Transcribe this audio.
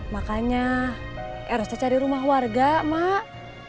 makanya eros teh cari rumah warga mak